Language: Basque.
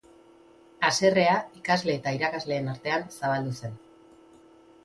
Haserrea ikasle eta irakasleen artean zabaldu zen.